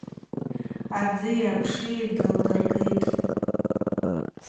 Адзи апши дыдлыргитӏ.